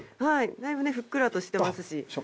だいぶふっくらとしてますし。